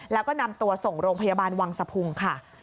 แล้วก็นำตัวส่งโรงพยาบาลวังสะพุงค่ะ